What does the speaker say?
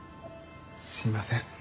すいません。